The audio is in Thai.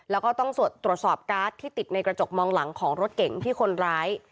แล้วก็ต้องตรวจสอบการ์ดที่ติดในกระจกมองหลังของรถเก๋งที่คนร้าย